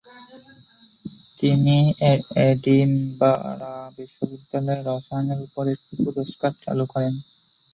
তিনি এডিনবরা বিশ্ববিদ্যালয়ে রসায়নের উপর একটি পুরস্কার চালু করেন।